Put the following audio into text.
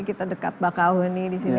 kita dekat bakau ini di sini